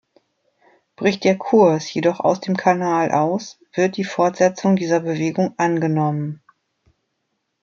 Bricht der Kurs jedoch aus dem Kanal aus, wird die Fortsetzung dieser Bewegung angenommen.